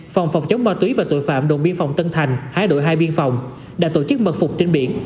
phòng phòng chống ma túy và tội phạm đồn biên phòng tân thành hải đội hai biên phòng đã tổ chức mật phục trên biển